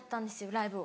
ライブを。